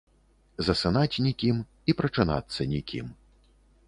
Засынаць нікім і прачынацца нікім.